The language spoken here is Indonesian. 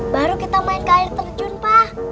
baru kita main ke air terjun pak